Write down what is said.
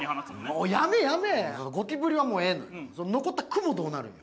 もうやめやめゴキブリはもうええのよその残ったクモどうなるんよ？